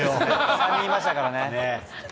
３人いましたからね。